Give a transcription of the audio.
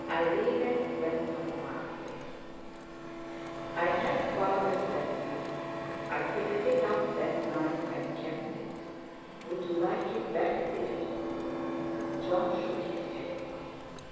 Irene went on quietly: "I have Father's letter. I picked it up that night and kept it. Would you like it back, dear?" Jon shook his head.